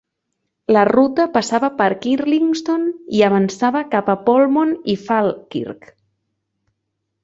La ruta passava per Kirkliston i avançava cap a Polmont i Falkirk.